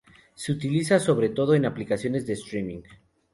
Se utiliza sobre todo en aplicaciones de "Streaming".